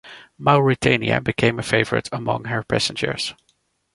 "Mauretania" became a favourite among her passengers.